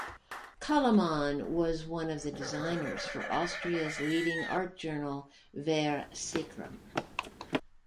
Koloman was one of the designers for Austria's leading art journal "Ver Sacrum".